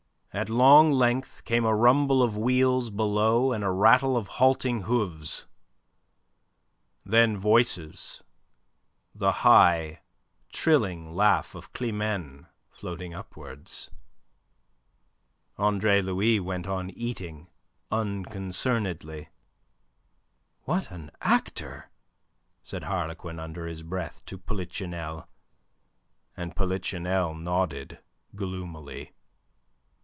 At long length came a rumble of wheels below and a rattle of halting hooves. Then voices, the high, trilling laugh of Climene floating upwards. Andre Louis went on eating unconcernedly. "What an actor!" said Harlequin under his breath to Polichinelle, and Polichinelle nodded gloomily.